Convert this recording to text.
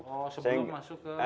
oh sebelum masuk ke